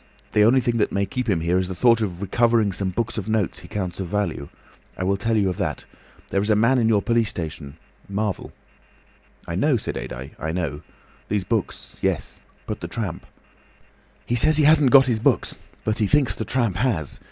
The only thing that may keep him here is the thought of recovering some books of notes he counts of value. I will tell you of that! There is a man in your police station—Marvel." "I know," said Adye, "I know. Those books—yes. But the tramp...." "Says he hasn't them. But he thinks the tramp has.